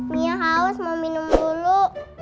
mie haus mau minum dulu